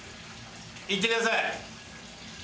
いってください！